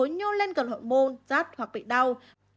nhô lên gần hậu môn rát hoặc bị đau